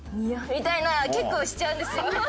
みたいな結構しちゃうんですよ。